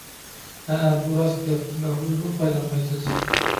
ھەئە، بۇ راست گەپ، بەھۇزۇر پايدىلانغايسىز!